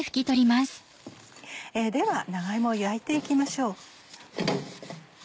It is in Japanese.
では長芋を焼いて行きましょう。